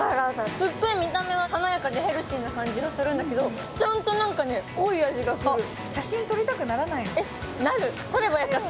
すっごい見た目が華やかでヘルシーな感じがするんだけどちゃんとなんかね濃い味がする撮ればよかった